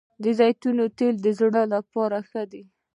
د زیتون تېل د زړه لپاره ښه دي